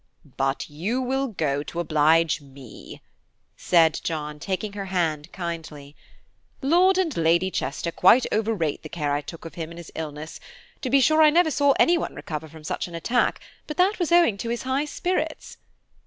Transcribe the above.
"But you will go to oblige me," said John, taking her hand kindly. "Lord and Lady Chester quite overrate the care I took of him in his illness; to be sure I never saw anyone recover from such an attack, but that was owing to his high spirits.